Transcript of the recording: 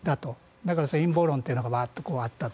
だから、陰謀論というのがワーッとあったと。